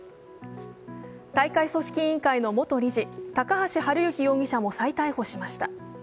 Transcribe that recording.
大会組織委員会の元理事・高橋治之容疑者も再逮捕しました。